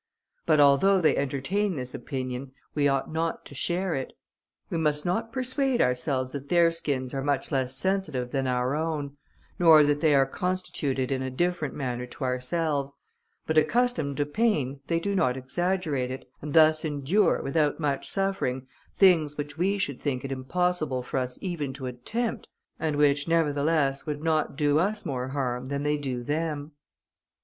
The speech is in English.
But although they entertain this opinion, we ought not to share it. We must not persuade ourselves that their skins are much less sensitive than our own, nor that they are constituted in a different manner to ourselves; but, accustomed to pain, they do not exaggerate it, and thus endure, without much suffering, things which we should think it impossible for us even to attempt, and which, nevertheless, would not do us more harm than they do them.